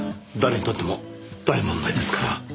誰にとっても大問題ですから。